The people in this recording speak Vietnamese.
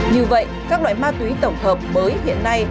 như vậy các loại ma túy tổng hợp mới hiện nay